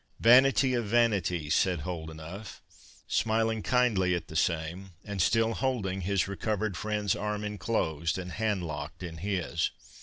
"Vanity of vanities," said Holdenough, smiling kindly at the same time, and still holding his recovered friend's arm enclosed and hand locked in his.